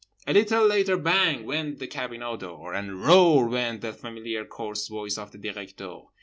A little later BANG went the cabinot door, and ROAR went the familiar coarse voice of the Directeur.